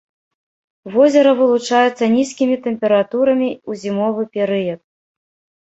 Возера вылучаецца нізкімі тэмпературамі ў зімовы перыяд.